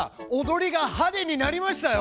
踊りがはでになりましたよ！